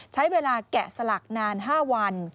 ใช้เวลาแกะสลักนาน๕วัน